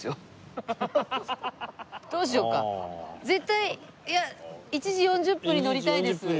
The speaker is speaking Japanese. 絶対いや１時４０分に乗りたいです。